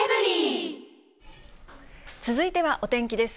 続いてはお天気です。